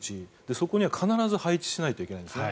そこには必ず配置しないといけないんですね。